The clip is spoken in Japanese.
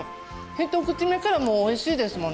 １口目からもうおいしいですもんね。